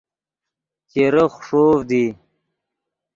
چیرے خݰوڤد ای